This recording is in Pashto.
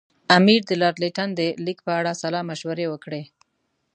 امیر د لارډ لیټن د لیک په اړه سلا مشورې وکړې.